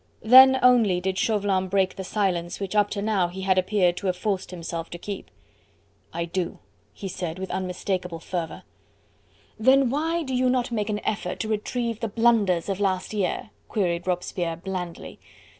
Then only did Chauvelin break the silence which up to now he had appeared to have forced himself to keep. "I do!" he said with unmistakable fervour. "Then why do you not make an effort to retrieve the blunders of last year?" queried Robespierre blandly.